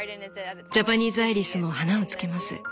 ジャパニーズアイリスも花をつけます。